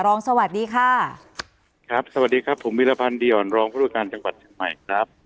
สวัสดีค่ะครับสวัสดีครับผมวิรพันธ์เดี่ยวรองผู้ประการจังหวัดเชียงใหม่ครับ